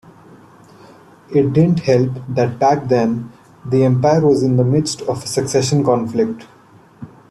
It didn't help that back then the empire was in the midst of a succession conflict.